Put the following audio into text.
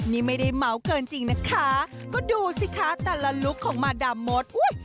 นี่ไม่ได้เมาส์เกินจริงนะคะก็ดูสิคะแต่ละลุคของมาดามมดอุ้ย